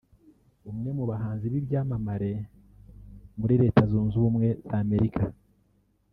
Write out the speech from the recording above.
umwe mu bahanzi b’ibyamamare muri Leta Zunze Ubumwe za Amerika